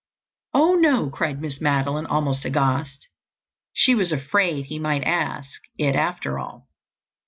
"Oh, no," cried Miss Madeline almost aghast. She was afraid he might ask it after all.